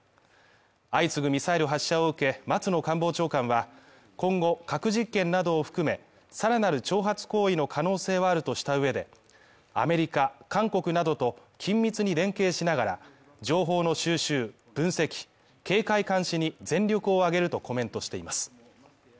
相次ぐミサイル発射を受け、松野官房長官は、今後核実験などを含め、さらなる挑発行為の可能性はあるとした上で、アメリカ、韓国などと緊密に連携しながら情報の収集、分析、警戒監視に全力を挙げるとコメントしています。